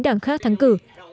đảng khác thắng cử